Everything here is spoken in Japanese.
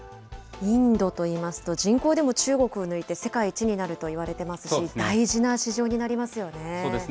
インドといいますと、人口でも中国を抜いて世界一になるといわれてますし、大事な市場そうですね。